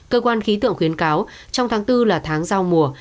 cơ quan khí tượng khuyến cáo trong tháng bốn là tháng giao mùa